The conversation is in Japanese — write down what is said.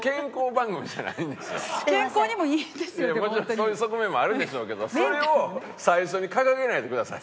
そういう側面もあるでしょうけどそれを最初に掲げないでください。